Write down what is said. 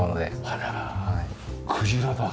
あらクジラだ。